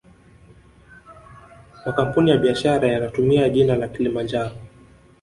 Makampuni ya biashara yanatumia jina la kilimanjaro